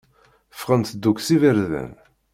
Ffɣent-d akk s iberdan.